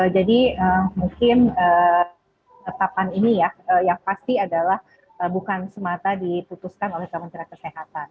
jadi mungkin tetapan ini yang pasti adalah bukan semata ditutupkan oleh kementerian kesehatan